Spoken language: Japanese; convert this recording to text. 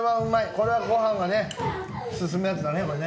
これはご飯が進むやつだね。